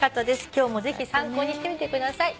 今日もぜひ参考にしてみてください。